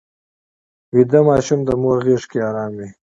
ویده ماشوم د مور غېږ کې ارام وي